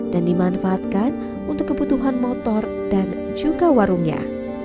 dan dimanfaatkan untuk kebutuhan motor dan juga warungnya